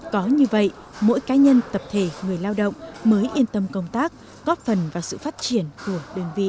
có như vậy mỗi cá nhân tập thể người lao động mới yên tâm công tác góp phần vào sự phát triển của đơn vị